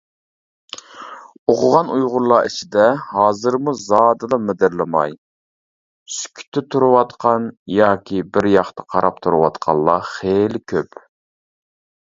ئوقۇغان ئۇيغۇرلار ئىچىدە ھازىرمۇ زادىلا مىدىرلىماي، سۈكۈتتە تۇرۇۋاتقان، ياكى بىر ياقتا قاراپ تۇرۇۋاتقانلار خېلى كۆپ.